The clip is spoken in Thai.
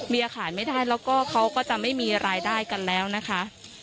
ขายไม่ได้แล้วก็เขาก็จะไม่มีรายได้กันแล้วนะคะ